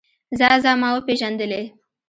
ځه ځه ما وپېژندلې.